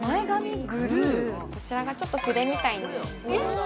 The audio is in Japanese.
こちらがちょっと筆みたいにえ！？